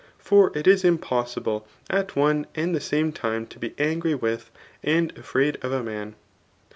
For it is impossible at one and the same time to be angry with and afraid of a man.